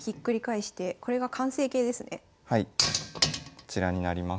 こちらになります。